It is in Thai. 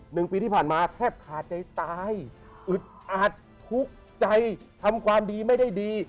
หนึ่งปีที่ผ่านมาแทบขาดใจตายอึดอัดทุกข์ใจทำความดีไม่ได้ดี